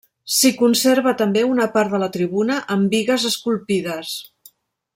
S'hi conserva també una part de la tribuna, amb bigues esculpides.